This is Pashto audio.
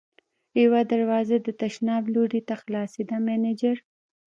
یوه دروازه د تشناب لور ته خلاصېده، مېنېجر.